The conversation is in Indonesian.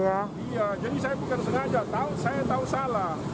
iya jadi saya bukan sengaja saya tahu salah